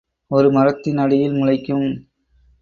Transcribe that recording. ஒரு மரத்தின் அடியில் முளைக்கும்